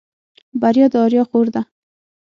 بريا د آريا خور ده.